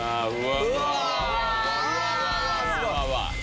うわ！